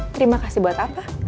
terima kasih buat apa